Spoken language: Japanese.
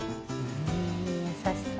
優しそう。